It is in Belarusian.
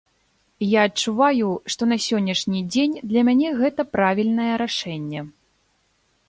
Я адчуваю, што на сённяшні дзень для мяне гэта правільнае рашэнне.